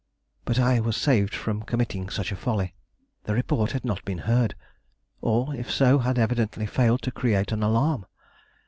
But I was saved from committing such a folly. The report had not been heard, or if so, had evidently failed to create an alarm.